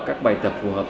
các bài tập phù hợp